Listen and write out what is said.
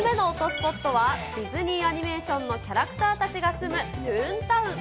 スポットは、ディズニーアニメーションのキャラクターたちが住む、トゥーンタウン。